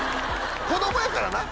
子供やからな！